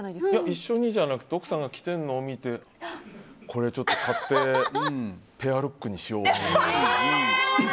一緒にじゃなくて奥さんが着てるのを見てこれ、ちょっと買ってペアルックにしようと。